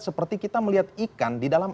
seperti kita melihat ikan di dalam